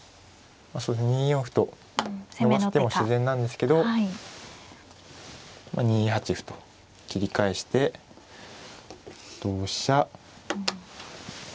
２四歩と伸ばす手も自然なんですけど２八歩と切り返して同飛車